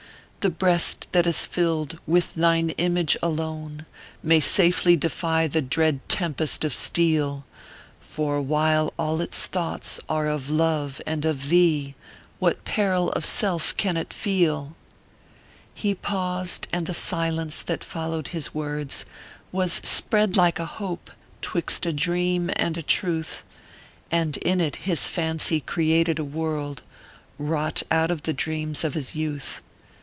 " The breast that is filled with thine image alone, May safely defy the dread tempest of steel ; For while ail its thoughts are of love and of thee, What peril of Self can it feel?" He paused ; and the silence that followed his words, Was spread like a Hope, twixt a Dream and a Truth ; And in it, his fancy created a world Wrought out of the dreams of his youth.